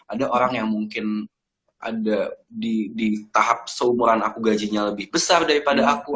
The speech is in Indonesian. ada orang yang mungkin ada di tahap seumuran aku gajinya lebih besar daripada aku